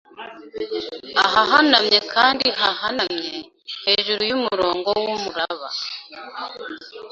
ahahanamye kandi hahanamye, hejuru yumurongo wumuraba.